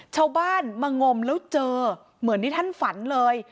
ชาวบ้านมางมแล้วเจอเหมือนที่ท่านฝันเลย